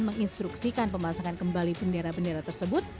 menginstruksikan pemasangan kembali bendera bendera tersebut